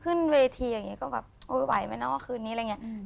ขึ้นเวทีอย่างนี้ก็แบบโอ้ยไหวไหมเนาะคืนนี้อะไรอย่างนี้